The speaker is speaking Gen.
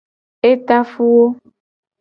E ta fu wo.